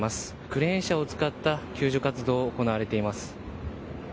クレーン車を使った救助活動が行われています。